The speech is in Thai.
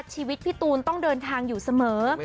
ชีวิตพี่ตูนต้องเดินทางอยู่เสมอ